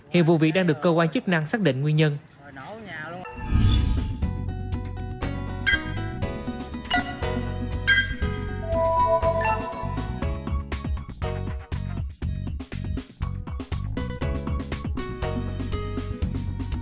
hiện vụ việc đang được cơ quan chức năng xác định nguyên nhân